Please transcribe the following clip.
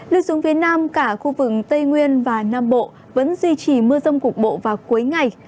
lưu xuống phía nam cả khu vực tây nguyên và nam bộ vẫn duy trì mưa rông cục bộ vào cuối ngày